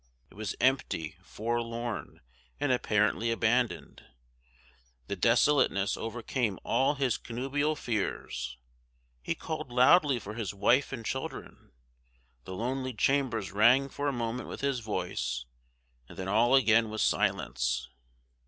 It was empty, forlorn, and apparently abandoned. This desolateness overcame all his connubial fears he called loudly for his wife and children the lonely chambers rang for a moment with his voice, and then all again was silence.